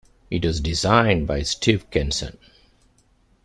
It was designed by Steve Kenson.